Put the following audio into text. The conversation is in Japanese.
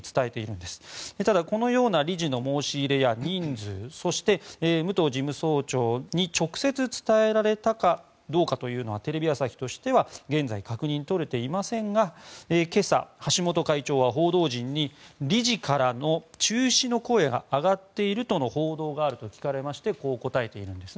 ただ、このような理事の申し入れや人数、そして武藤事務総長に直接伝えられたかどうかはテレビ朝日としては現在、確認はとれていませんが今朝、橋本会長は報道陣に理事からの中止の声が上がっているとの報道があると聞かれましてこう答えているんです。